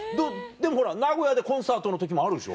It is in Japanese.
でもほら名古屋でコンサートの時もあるでしょ？